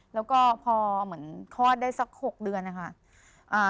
แล้วก็พอเหมือนคลอดได้สัก๖เดือนนะคะ